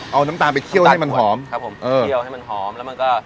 เอาน้ำตาลไปเคี่ยวให้มันหอมครับผมเคี่ยวให้มันหอมแล้วมันก็